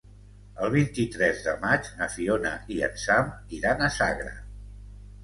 El vint-i-tres de maig na Fiona i en Sam iran a Sagra.